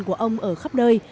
của ông ở khắp nơi